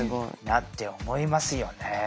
なって思いますよね